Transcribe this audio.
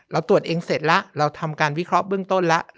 ตรวจเองเสร็จแล้วเราทำการวิเคราะห์เบื้องต้นแล้ว